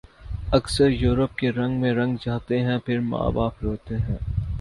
اکثر یورپ کے رنگ میں رنگ جاتے ہیں پھر ماں باپ روتے ہیں